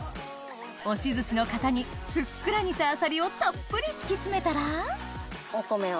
押し寿司の型にふっくら煮たあさりをたっぷり敷き詰めたらお米を。